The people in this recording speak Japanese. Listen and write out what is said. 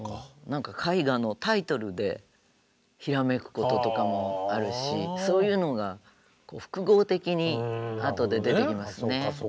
何か絵画のタイトルでひらめくこととかもあるしそういうのが複合的にあとで出てきますね。